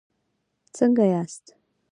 څنګه یاست؟